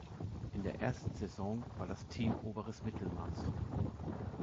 In der ersten Saison war das Team oberes Mittelmaß.